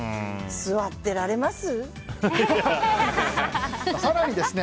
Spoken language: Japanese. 座ってられます？